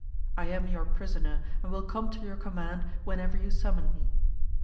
I am your prisoner, and will come to your command whenever you summon me.